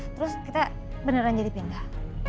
terus kita beneran jadi pindah